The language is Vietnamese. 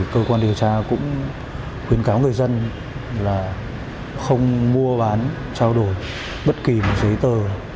cơ quan điều tra cũng khuyến cáo người dân là không mua bán trao đổi bất kỳ giấy tờ